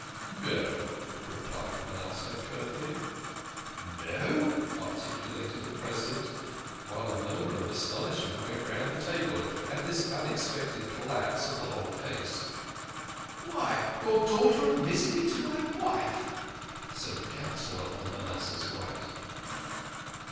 " No," replied Manasseh curtly. 116 THE KING OF SCHNORRERS. "No?" articulated the President, while a murmur of astonishment ' went round the table at this unexpected collapse of the whole case. "Why, your daughter admitted it to my wife," said the Councillor on Manasseh's right.